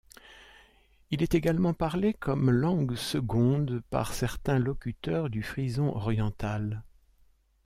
Il est également parlé comme langue seconde par certains locuteurs du frison oriental.